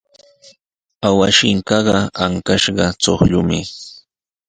Awashinkaqa ankashqa chuqllumi.